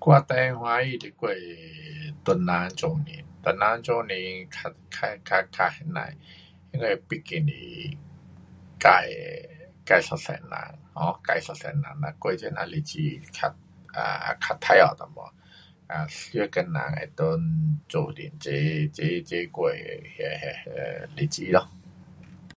我最欢喜是我的唐人做年。唐人做年较，较，较那呐的，因为毕竟是自的自一色人，um 自一色人，哒过这呐日子较快乐一点。熟的人能够齐，齐，齐过那那那日子咯。